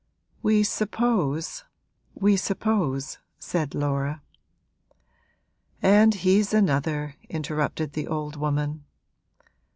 'We suppose we suppose ' said Laura. 'And he's another,' interrupted the old woman.